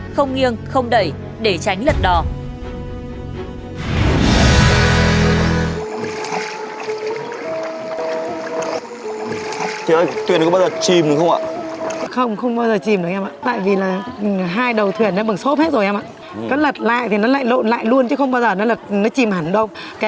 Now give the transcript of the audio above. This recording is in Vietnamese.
không nghiêng không đẩy để tránh lật đỏ